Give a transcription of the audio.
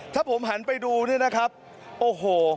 ถ้าผมหันไปดูเนี่ยนะครับโอ้โห